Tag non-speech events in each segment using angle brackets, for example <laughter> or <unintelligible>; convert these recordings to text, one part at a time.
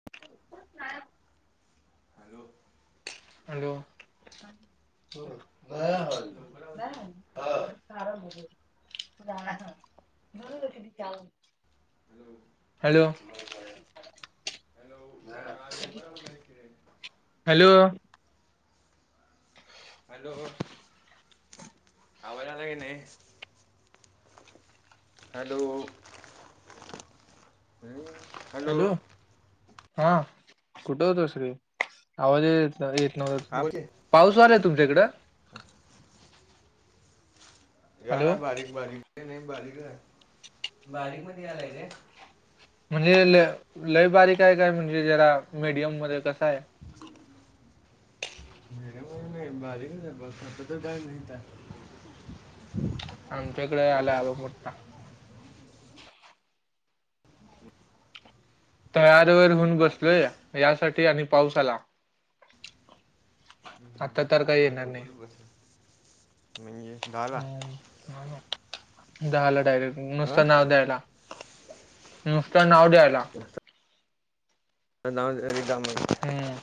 <unintelligible> Hello hello. <unintelligible> लवकर अवरलय? हा. <unintelligible> हम्. हॅलो. हॅलो, हा लवकर आवरलाईस की रे?. हॅलो. हॅलो, आवाज यालाय काय नाही? हॅलो. हम्म, हॅलो. हा कुठ होतास रे? आवाजच येत येत नव्हता तुझा. पाऊस व्हालाय तुमच्याकडे? हू ह. हॅलो यालाय बारीक बारीक, ते नाही बारीक हाय बारीक मध्ये यालाय काय? म्हणजे ल लय बारीक हाय, काय म्हणजे जरा मीडियम मध्ये कसा हाय. मिडीयम नाही बारीक च हाय, पाऊस आता तर काय नाही हितं. आमच्याकडे आला लई बघ मोठा. तयार होऊन मला बसलोय, कसं- यासाठी आणि पाऊस आला. आता तर हम्म, काही येणार नाही बस. मंगेश दा? हू हू झाल डायरेक्ट. नुसत अ नाव द्यायला. नुसत नाव द्यायला. नाव दे रिकामं. हुं.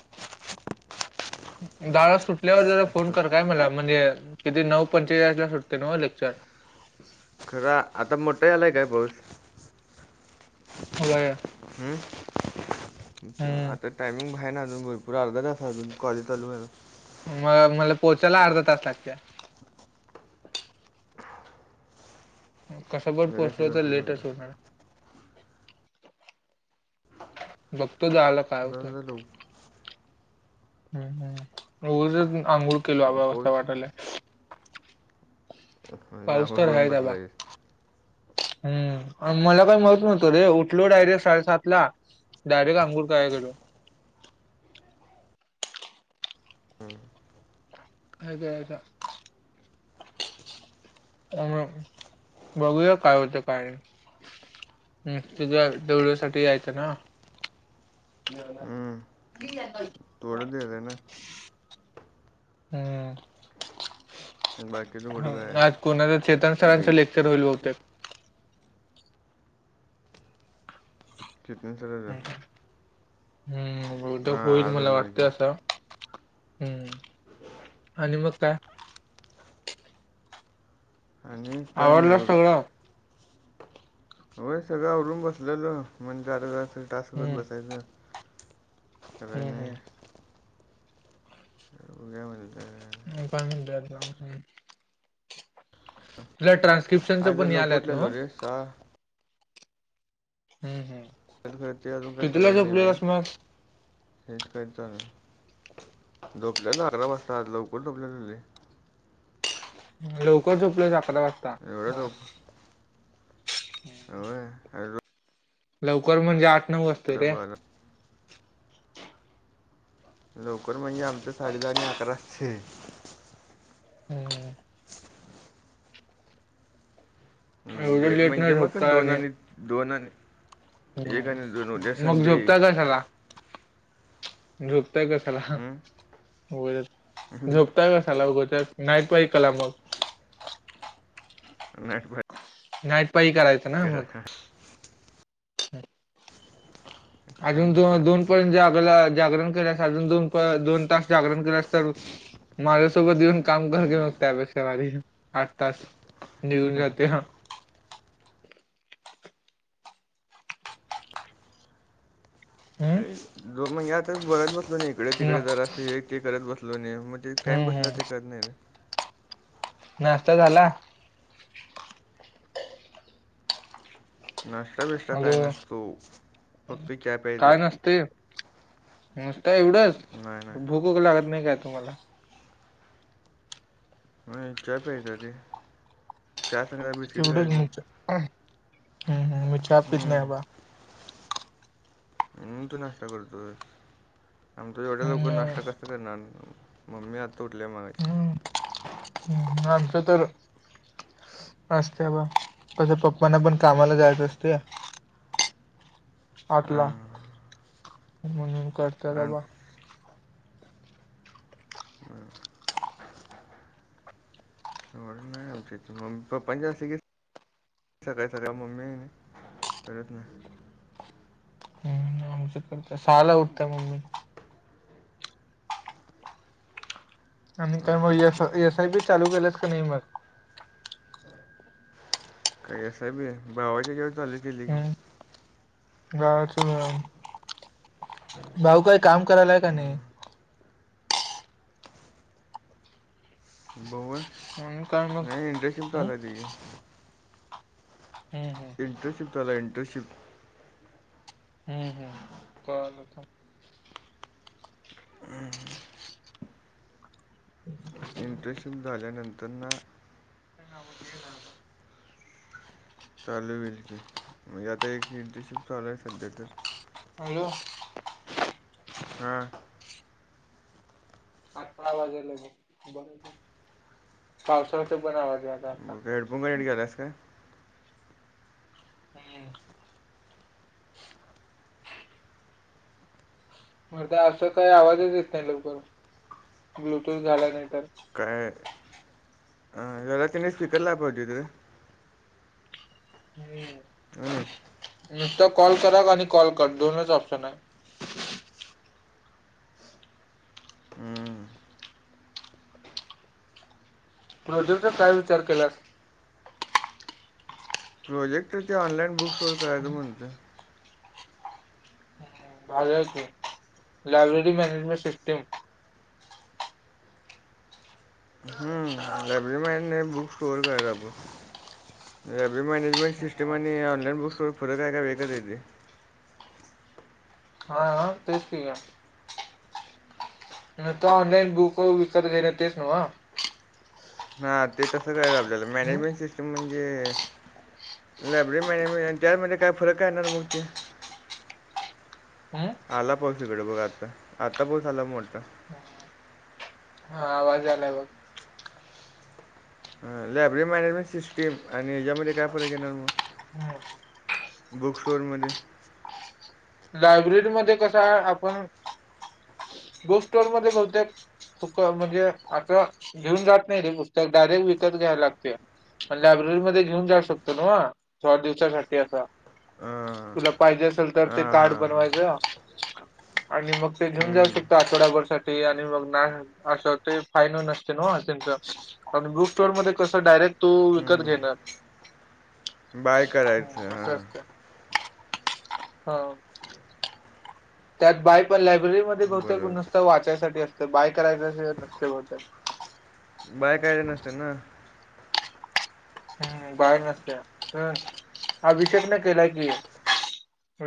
शाळां सुटल्यांवरं जरां फोन करं कायं मलां म्हणजे किती नऊ पंचेचाळीस लां सुटतंय नवं लेक्चर खरं आंता मोठा आलांय कायं पाऊस होयं हम्मं आंता टामिंग आहे नां अजूंन भरंपूर अर्धासा अजूंन कॉले चालूं व्हांयला मगं मलां पोहोचांयला अर्धा तास लागतं कसं पणं पोचले तरं लेटस्ट होणारं बघतो झालं जां जां लवकरं हम्मं हमं उगांच आंघोळ केलो अंबा पाऊस असं वाटांलय म्हणजे पाऊस आंघोळ तरं हांय करून बसला आंता आहेस मलां कांहीं माहित नव्हतं रे उठलो डायरेक्ट साडेसात लां डायरेक्ट आंघोळ करांयला गेलो हं. अं कां कां अं बघूंया कायं होते कायं नाहीं हम्मं तुझ्यां दवळ्यांसाठी यायचं नां ठीक आहे कलं थोडंडे दे नां हम्मं बाकीचं कुठं काय हं आहे? आंज कोणाचं चेतन सरांचं ड्रिंक लेक्चर होईल बते फिटनेसरं हम्मं बंट होईल हां आज मलां होणार की वाटतं असं हम्मं आणि मगं कायं आणि आवडलं कानेवगं कायं सगळं व सगळं उवडूंन बसलेल म्हणजे जरं टांक हम्म करतं बसायंच हम्म सगळयांने तरं उद्या म्हणतं तरं कां लयं ट्रान्स्क्रिप्शनचं पणं याल्यांत नां कां हम्मं हम्मं हं करतं करने मं हेचं करतांना झोपल्यां लवकरं झोपल्यांले लवकरं झोपलं झाकांत वाजंता एवढं व्हंय कायं लवकरं म्हणजे आंठ नव्व वाजंता रपारप लवकरं म्हणजे आमचं साडे दहा आणि अकरांचे हम्मं एवढं लेटं लेट न म्हणजे मगं झोपता आणि दोननी दोननी एक आणि दोन उद्यां संडे कुठे चांला झोपतांय कसांला नाईट झोपतांय कसांला उगोत नाईटंवाई कलांमक नाईटंव्हाई नाईट पाळी कराय करा ह. <unintelligible> अजून काम दो काय दोन पर्यंत जा जागरण केल्यास अजून दोन दोन तास जागरण केलास तर माझ्यासोबत येऊन काम कर की मग त्यापेक्षा भारी आठ तास निघून जाते ह. अरे हम्म दो म्हणजे आता बोलत बसलो कणी इकडे तिकडे ना- जरा असत हे ते करत बसलो कणी मग ते टाईम हम्म कसं जातय हम्म कळत नाही रे. नाश्ता झाला? नाष्टा बिष्टा हॅलो काय नसतो फक्त चहा प्यायचा. नुसत एवढंच नाही नाही भूकूक लागत नाही काय तुम्हाला? होय चा प्यायचा रे. चहा सगट जरा बिस्कीट तेवढंच खायच मी चा- हम्म हम्म, मी चहा पित नाही हम्म. बा म्हणून तू नाश्ता करतोय आमचा एवढ्या लवकर हम्म नाश्ता क सा करणार मम्मी आता उठल्या मागाशी. हम् आमचं तर असस्ते अबा तस पप्पना पण कामाला जायचं असतय आठला हां म्हणून कर <unintelligible> <unintelligible> पापाच अस आहे की सकाळी सकाळी मम्मी करत नाही. हम्म, सहाला उठत्या मम्मी. आणि काय मग, भरपूर एस आ शेती. एस आय बी चालू केलंस काय नाही मग? काय एस आय बी? भावाच्या हेच्यावर चालू केली की. भावाच व्हय, भाऊ काय काम करायलाय काय नाही? हम्म. बाऊ व्हय? म्हणून काय मग नाही इंटर्नशिप हम्म चालू आहे त्याची. हम्-हम. इंटर्शिप चालूय इंटर्शिप. हम्-हम्. कॉल आला थांब. इंटर्नशिप झाल्यानंतरन त्या गावात गेला आता. चालू होईल की म्हणजे आता एक इंटरशिप चालू आहे सध्या तर हॅलो. हा. आता आवाज येलाय बघ. पावसाळ्याचा पण आवाज यायला आता. मग हेडफोन कनेक्ट केलायस काय? हम्. मर्दा असा काही आवाजच येत नाही लवकर, ब्लूटूथ घाला नाही तर. काय? रव्या तेनी स्पीकर लावायला पाहिजे होती रे. हम्म. हनी? नुसत कॉल करा आणि कॉल कट दोनच ऑप्शन आहे. हम्म. प्रोजेक्ट चा काय विचार केलास? प्रोजेक्ट ते ऑनलाईन बुक्स वर करायचं म्हणतोय. भारीय की, लायब्रेरी मॅनेजमेंट सिस्टेम. हम्म. लायब्रेरी मॅनेज नाही, बुक स्टोर करायच आपण‌ लायब्ररी मॅनेजमेंट सिस्टम आणि ऑनलाईन बुक स्टोर फरक आहे का एकच येते. हां हां तेच की काय. मग तो ऑनलाईन बुक विकत घेत तेच नव्ह? हां ते तस करायच आपल्याला, मॅनेजमेंट हम्म सिस्टम म्हणजे लायब्ररी मॅनेजमेंट आणि त्यामध्ये काय फरक काय येणार मग ते? आला पाऊस इकड बघ आत्ता. आत्ता पाऊस आला मोठा. पास झालाय बघ. ह लायब्ररी मॅनेजमेंट सिस्टीम आणि ह्याच्यामध्ये काय फरक येणार मग? बुक स्टोअर मध्ये? लायब्ररी मध्ये कस आहे आपण, बुक स्टोर मध्ये बहुतेक फुक म्हणजे, आता घेऊन जात नाही रे पुस्तक, डायरेक्ट विकत घ्यायला लागते. पण लायब्ररीमध्ये घेऊन जाऊ शकतो नव्ह थोड्या दिवसांसाठी अस? हां तुला पाहिजे असल तर ते हां कार्ड हां हां बनवायच. आणि मग ते घेऊन जाऊ हम्म, शकतो आठवडाभर साठी, आणि मग ना अस ते फायनो नसते ना असेल तर. आणि बुक स्टोर मध्ये कस, डायरेक्ट तू विकत हम्म. घेणार? बाय करायच हां. हां त्यात बाय पण लायब्ररीमध्ये बहुतेक बरोबर नुसत वाचायसाठी असत, बाय करायच नसतय बहुतेक. बाय करायच नसते ना. हम्म बाय नसतर, अभिषेक नी केलाय की.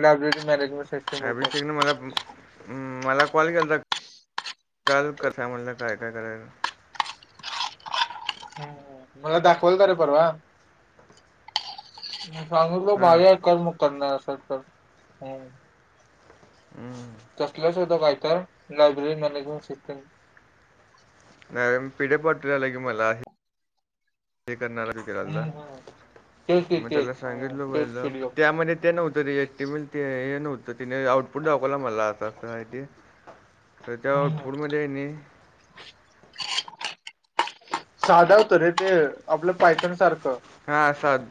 Library management. सिस्टम बहुतेक अभिषेकने मला पण मला कॉल केलता काल कसा म्हटला काय काय करायला. मला दाखवालता रे परवा. म सांगितल हां भारी आहे कर मग करणार असेल तर. हम्म तसलच होत काही तर लायब्ररी मॅनेजमेंट सिस्टम. नाही पि डी एफ पाठवला की मला हे करणार आहे. हम्म हम्म तेच की तेच हम्म तेच पीडीएफ त्यामध्ये ते नव्हत रे येत. ती म्हणते हे नव्ह तर तिने आउटपुट दाखवला मला अस अस आहे ते तर त्या हम्म आउटपुटमध्ये ह्यांनी <inaudible> साधा होत रे ते आपल्या पायथन सारख. हा साध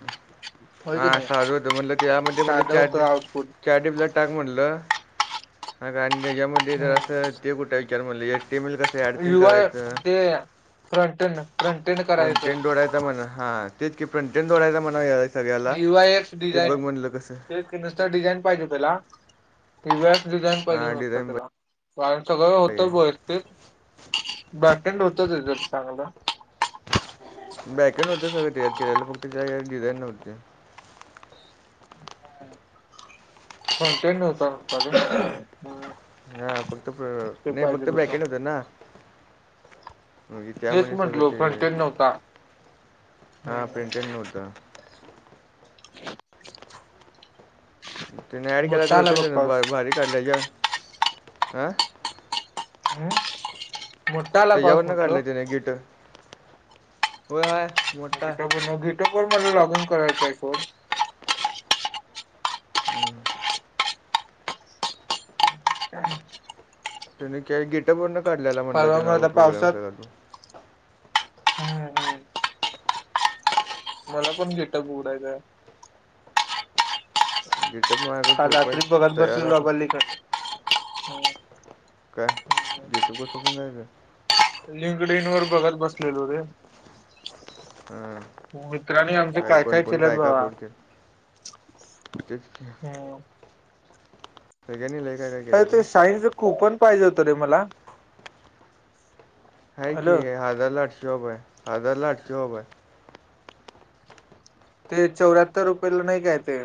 हां साध होत म्हटल यामध्ये म्हणल साधं होतं च आउटपुट चार <unintelligible> टाक म्हटल हा आणि त्याच्यामध्ये जरा हम्म अस. ते कुठे विचार म्हणल टेबल कसा आहे. <unintelligible> ते फ्रंटन फ्रंटन करायचं फ्रंटेड जोडायचा म्हण हा तेच की फ्रंटेन जोडायचा म्हणा या सगळ्याला ते बघ म्हटल कस. ते नुसत डिझाईन पाहिजे तुला <unintelligible> डिझाईन पाहिजे हां नुसत डिझाईन त्याला. कारण सगळ होत <unintelligible> पाहिजे होत त्याच चांगल बॅकेंड होत सगळ तयार केलेला फक्त त्या डिझाईन नव्हती. <unintelligible> हा फक्त ते नाही पाहिजे फक्त होतं ब्रॅकेंड होत ना. <unintelligible> त्या तेच मग सगळं म्हंटलो ते फ्रंटेंड नव्हता हा हम्म प्रिंटेड नव्हतं. <inaudible> ते नी ऍड केला तर मोठा आला बघ पाऊस होतेय भारी <unintelligible> आ? हम्म मोठा आला पाऊस म्हटलो. ब्रॅकेट हो हाय मोठा <unintelligible> मला लॉगन करायचा आहे फोन. हम्म. <inaudible> त्यांनी काय गेट <unintelligible> न काढल्यालेला म्हटला परवा त्यांना मला प्रोग्राम पावसात सगळा तो? हम्म हम्म. मला पण गेटअप उघडायचं हाय. गेटअप माझ्याकडं काल प्रोफाईल रात्री बघत तयार आहे बसलेलो बघ. बाबा काय गेटअप <unintelligible> लिंकडइनंवर बघत बसलेलो रे. हां मित्रांनी आमचे काय कोण काय कोण केलंत बघा. अपलोड केलं तेच. <unintelligible> अर ते शाईनचं कूपन पाहिजे होतं रे मला. हा की हॅलो आहे हाजारला आठशे रुपय, हाजारला आठशे रुपये. ते चौऱ्याहत्तर रुपयेला नाही काय ते?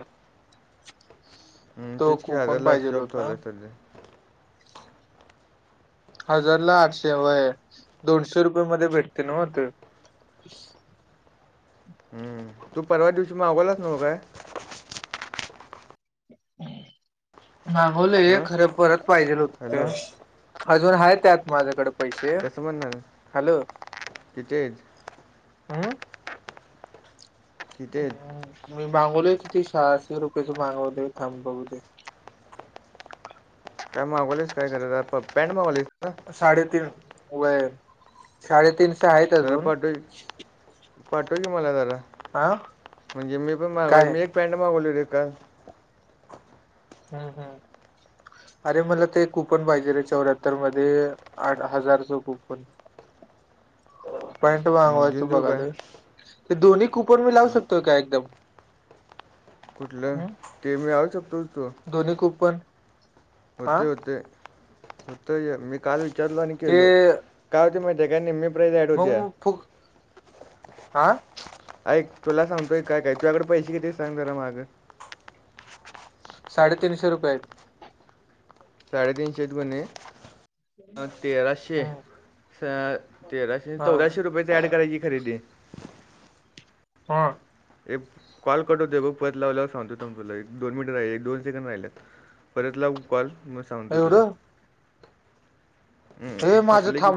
हम्म तो तेच की कुपन हजारला पाहिजेल होता आठशे <unintelligible> ते नी. हजारला आठशे व्हय दोनशे रुपये मध्ये भेटते नव्हं ते. हम्म. तू परवा दिवशी मावगलाच नव्हं काय? मागवले हां खरं परत पाहिजेल होतं हॅलो ते. अजून आहेत त्यात माझ्याकडे पैसे, कसं म्हणणार हॅलो. किती आहेत अम्म? किती आहेत हम्म मी मागवलेत किती सहाशे रुपयेच मागवले थांब बघू दे. काय मगवलेस काय <unintelligible> आप पॅट मागवलीस का? साडेतीन व्हय साडेतीनशे आहेत जरा अजून. पाठव पाठव की मला जरा, हा म्हणजे मी पण मागवाय काय मी एक पॅन्ट मागवली काल. हम्म हम्म अरे मला ते कूपन पाहिजे रे चौऱ्याहत्तर मध्ये आठ हजारच कूपन. पॅट मग घेऊन मागवायचं देऊ काय बघालोय, ते दोन्ही कुपन मी लावू शकतोय का एकदम? कुठलं हम्म ते मी आ शकतो तो? दोन्ही कूपन. होते होते होते की मी काल विचारलो आणि ते केलो. काय होती माहितीे का निम्मे बघू फुक, आ? ऐक तुला सांगतोय काय काय तुझ्याकडे पैसे किती सांग जरा माग? साडेतीनशे रुपये आहेत. साडेतीनशे आहेत क नी तेराशे हम्म स तेराशे हा चौदाशे रुपयेची ॲड करायची खरेदी. हा. ए कॉल कट होतय बघ परत लावल्यावर सांगतो तम तुला एक दोन मीनट राहिल एक दोन सेकंड राहिल्यात. परत लावू का कॉल मग सांगतो तुला? एवढं हम्म हे माझं थकलय की थांब